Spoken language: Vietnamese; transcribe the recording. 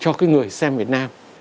cho cái người xem việt nam